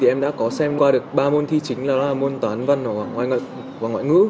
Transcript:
em đã có xem qua được ba môn thi chính là môn toán văn và ngoại ngữ